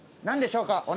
何でしょうか？